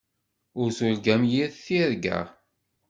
Ur turgam yir tirga.